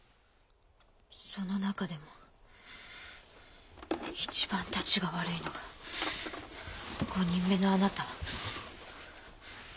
その中でも一番たちが悪いのが５人目のあなた。